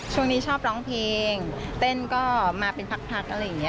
ช่วงนี้ชอบร้องเพลงเต้นก็มาเป็นพักอะไรอย่างนี้